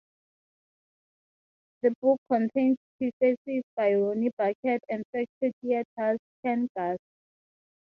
The book contains prefaces by Ronnie Burkett and Factory Theatre's Ken Gass.